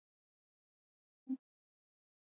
ازادي راډیو د ټولنیز بدلون د تحول لړۍ تعقیب کړې.